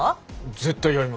絶対やりますよ。